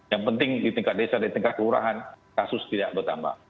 yang penting di tingkat desa di tingkat kelurahan kasus tidak bertambah